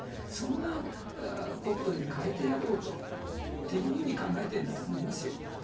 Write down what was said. そんな国土に変えてやろうというふうに考えているんだと思います。